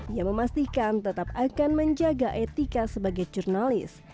ia memastikan tetap akan menjaga etika sebagai jurnalis